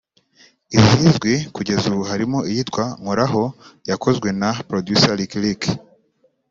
izizwi kugeza ubu harimo iyitwa “Nkoraho” yakozwe na Producer Lick Lick